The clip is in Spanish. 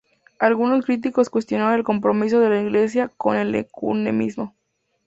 Algunos críticos cuestionaron el compromiso de la Iglesia con el ecumenismo.